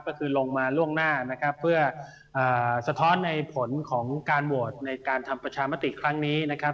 ก็คือลงมาล่วงหน้านะครับเพื่อสะท้อนในผลของการโหวตในการทำประชามติครั้งนี้นะครับ